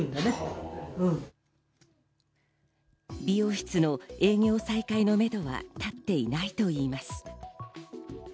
美容室の営業再開のめどは立っていないと言います。